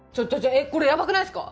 えっこれやばくないっすか！？